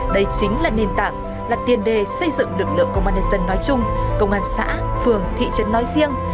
đây chính là nền tảng là tiền đề xây dựng lực lượng công an nhân dân nói chung công an xã phường thị trấn nói riêng